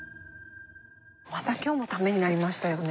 今日もためになりましたよね。